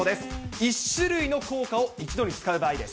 １種類の硬貨を１度に使う場合です。